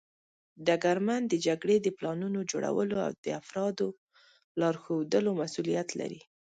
ډګرمن د جګړې د پلانونو جوړولو او د افرادو لارښودلو مسوولیت لري.